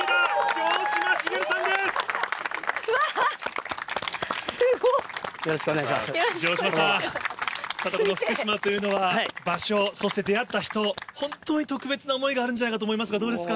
城島さん、またこの福島というのは、場所、そして出会った人、本当に特別な想いがあるんじゃないかと思いますが、どうですか？